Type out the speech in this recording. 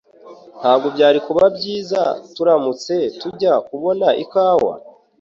Ntabwo byari kuba byiza turamutse tujya kubona ikawa?